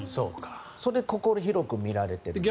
それで心広く見られているんです。